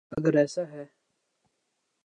اگر ایسا ہے۔